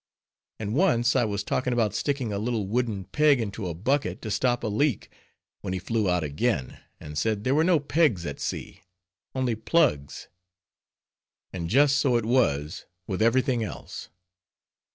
_ And once I was talking about sticking a little wooden peg into a bucket to stop a leak, when he flew out again, and said there were no pegs at sea, only plugs. And just so it was with every thing else.